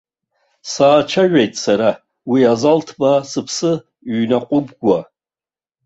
Саацәажәеит сара, уи азал ҭбаа сыԥсы ҩнаҟәыкуа.